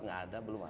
nggak ada belum ada